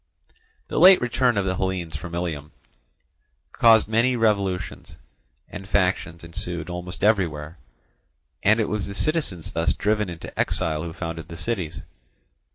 The late return of the Hellenes from Ilium caused many revolutions, and factions ensued almost everywhere; and it was the citizens thus driven into exile who founded the cities.